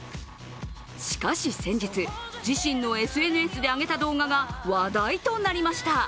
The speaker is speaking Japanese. しかし先日、自身のＳＮＳで上げた動画が話題となりました。